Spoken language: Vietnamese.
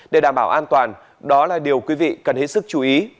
để đảm bảo an toàn đó là điều quý vị cần hết sức chú ý